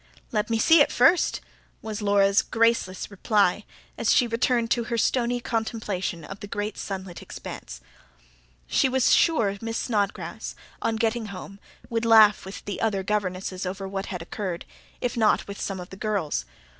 "Let me see it first," was Laura's graceless reply, as she returned to her stony contemplation of the great sunlit expanse. She was sure Miss Snodgrass, on getting home, would laugh with the other governesses over what had occurred if not with some of the girls.